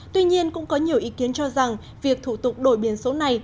tuy nhiên cũng có nhiều ý kiến cho rằng việc thủ tục đổi biển số này